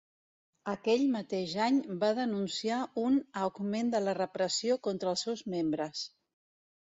Aquell mateix any va denunciar un "augment de la repressió contra els seus membres".